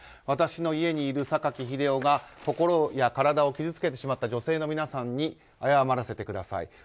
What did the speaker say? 私の家にいる榊英雄が心や体を傷つけてしまった女性の皆さんに謝らせてください。